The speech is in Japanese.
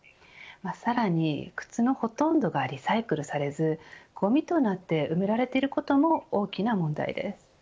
さらに靴のほとんどがリサイクルされずごみとなって埋められていることも大きな問題です。